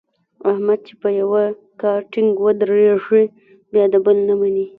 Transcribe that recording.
احمد چې په یوه کار ټینګ ودرېږي بیا د بل نه مني.